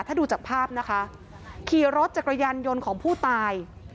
ถ้าดูจากภาพนะคะขี่รถจักรยานยนต์ของผู้ตาย